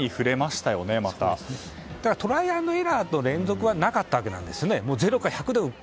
トライアンドエラーの連続はなかったわけなんですね。